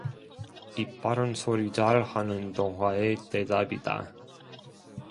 입바른 소리 잘 하는 동화의 대답이다.